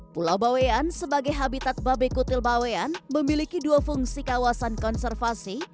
pulau bawean sebagai habitat babe kutil bawean memiliki dua fungsi kawasan konservasi